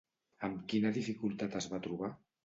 Amb quina dificultat es va trobar?